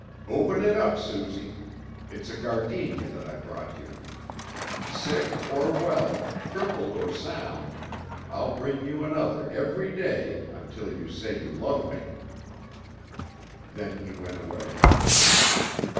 "Open it up, Suzy. It's a gardenia that I brought you. Sick or well, crippled or sound, I'll bring you another every day, until you say you love me." Then he went away.